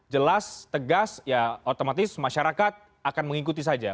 jelas tegas ya otomatis masyarakat akan mengikuti saja